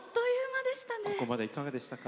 ここまでいかがでしたか？